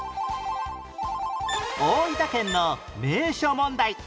大分県の名所問題